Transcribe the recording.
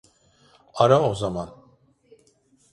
Ara o zaman.